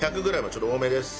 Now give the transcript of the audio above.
ちょっと多めです。